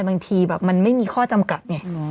บางทีมันไม่มีข้อจำกัด